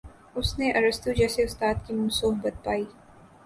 اس نے ارسطو جیسے استاد کی صحبت پائی